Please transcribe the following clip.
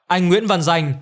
anh nguyễn văn danh